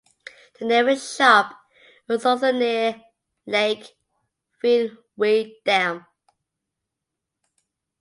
The nearest shop is also near Lake Vyrnwy Dam.